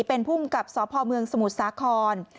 เป็นภูมิกับสพเมืองสมุทรสาคร